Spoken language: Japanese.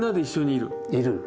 いる。